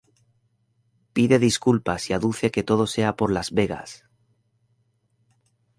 Pide disculpas y aduce que todo sea por Las Vegas.